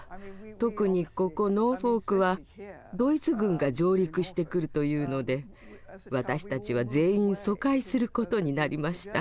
特にここノーフォークはドイツ軍が上陸してくるというので私たちは全員疎開することになりました。